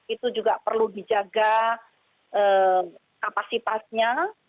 itu juga perlu dijaga kapasitasnya